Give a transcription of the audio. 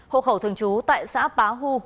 hộ khẩu thường trú tại xã bá hu